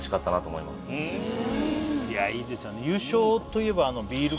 いやいいですよね